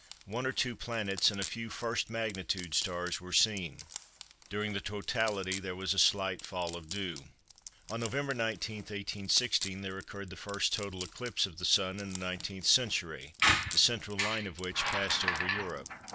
One or two planets and a few 1st magnitude stars were seen. During the totality there was a slight fall of dew. On Nov. 19, 1816, there occurred the first total eclipse of the Sun in the 19th century, the central line of which passed over Europe.